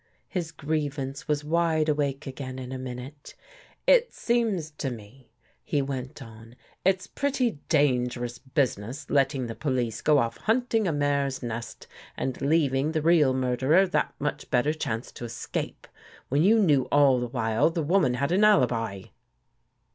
His grievance was wide awake again in a minute. " It seems to me," he went on, " it's pretty dangerous business letting the police go off hunting a mare's nest and leaving the real murderer that much better chance to escape, when you knew all the while the woman had an alibi."